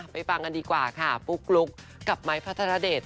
ฟังกันดีกว่าค่ะปุ๊กลุ๊กกับไม้พัทรเดช